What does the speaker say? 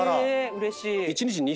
うれしい。